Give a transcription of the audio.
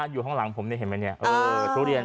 อยู่ห้องหลังผมนี่เห็นไหมทุเรียน